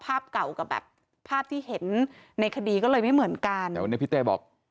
ภาพเก่ากับแบบภาพที่เห็นในคดีก็เลยไม่เหมือนกันแต่วันนี้พี่เต้บอก